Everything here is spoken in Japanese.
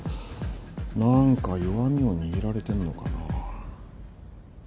何か弱みを握られてんのかなぁ。